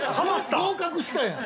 ◆合格したやん。